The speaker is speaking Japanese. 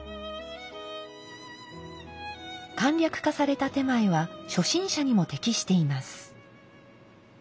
簡略化された点前は初心者にも適しています。